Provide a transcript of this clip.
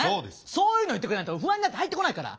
そういうの言ってくれないと不安になって入ってこないから。